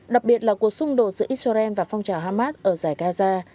đặc biệt là cuộc xung đột giữa israel và phong trào hamas ở giải gaza